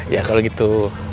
ya kalau gitu